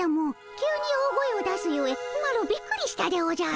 急に大声を出すゆえマロびっくりしたでおじゃる。